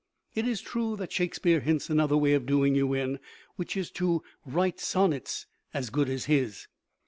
It is true that Shakespeare hints another way of doing you in, which is to write sonnets as good as his.